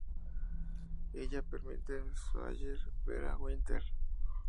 Ella permite Sawyer ver a Winter.